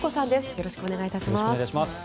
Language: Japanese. よろしくお願いします。